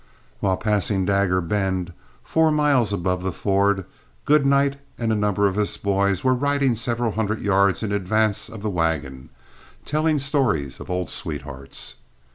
While passing Dagger Bend, four miles above the ford, Goodnight and a number of us boys were riding several hundred yards in advance of the wagon, telling stories of old sweethearts.